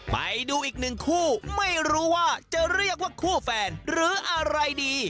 ไปดูอีกหนึ่งคู่ไม่รู้ว่าจะเรียกว่าคู่แฟนหรืออะไรดี